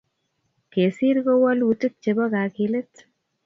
Kesir ko walutik chebo kakilet